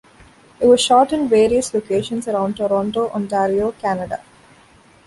It was shot in various locations around Toronto, Ontario, Canada.